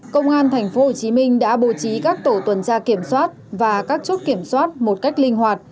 công an tp hcm đã bố trí các tổ tuần tra kiểm soát và các chốt kiểm soát một cách linh hoạt